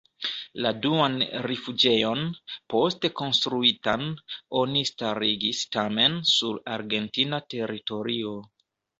La duan rifuĝejon, poste konstruitan, oni starigis tamen sur argentina teritorio.